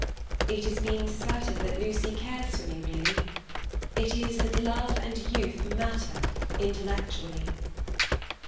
"It is being certain that Lucy cares for me really. It is that love and youth matter intellectually."